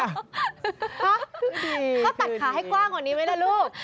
ฮะเขาตัดขาให้กว้างกว่านี้ไหมล่ะลูก